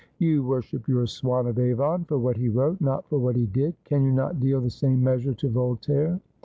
You worship your Swan of Avon for what he wrote, not for what he did. Can you not deal the same measure to Voltaire